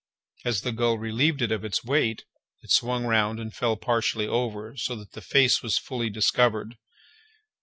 As the gull relieved it of its weight, it swung round and fell partially over, so that the face was fully discovered.